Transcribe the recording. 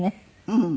うん。